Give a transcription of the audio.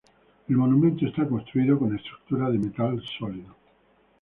El monumento está construido con estructuras de metal sólido.